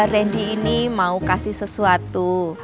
randy ini mau kasih sesuatu